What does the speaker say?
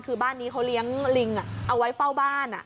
คือบ้านนี้เขาเลี้ยงลิงเอาไว้เฝ้าบ้าน